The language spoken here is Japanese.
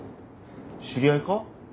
知り合いか？